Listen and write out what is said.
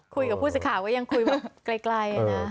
คุยกับผู้สิทธิ์ข่าวก็ยังคุยมากไกลนะ